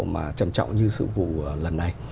mà trầm trọng như sự vụ lần này